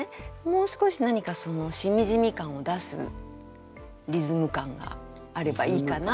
もう少し何かしみじみ感を出すリズム感があればいいかなと思って。